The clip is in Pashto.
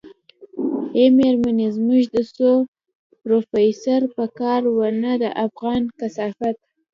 ای مېرمنې زموږ خو پروفيسر په کار و نه دا افغان کثافت.